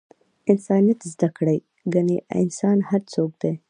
انسانیت زده کړئ! کنې انسان هر څوک دئ!